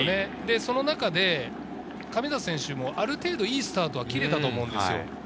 その中で神里選手もいいスタートは、ある程度切れたと思うんですよ。